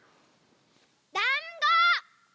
だんご！